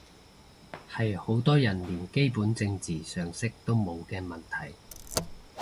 係好多人連基本政治常識都冇嘅問題